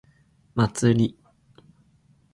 祭り